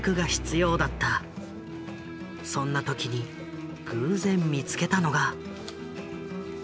そんな時に偶然見つけたのが。